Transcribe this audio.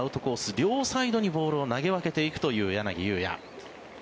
両サイドにボールを投げ分けていくという柳裕也。